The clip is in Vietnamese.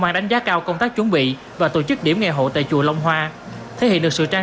an đánh giá cao công tác chuẩn bị và tổ chức điểm ngày hội tại chùa long hoa thể hiện được sự trang